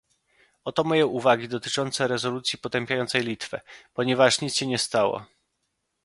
Oto moje uwagi dotyczące rezolucji potępiającej Litwę, ponieważ nic się nie stało